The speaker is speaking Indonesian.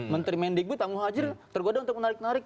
menteri mendikbud tamu hajir tergoda untuk menarik narik